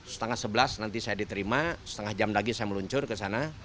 setengah sebelas nanti saya diterima setengah jam lagi saya meluncur ke sana